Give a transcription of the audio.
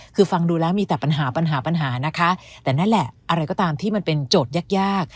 คือฟังดูแล้วมีแต่ปัญหาปัญหานะคะแต่นั่นแหละอะไรก็ตามที่มันเป็นโจทย์ยากยาก